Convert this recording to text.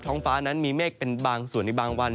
ฟ้านั้นมีเมฆเป็นบางส่วนในบางวัน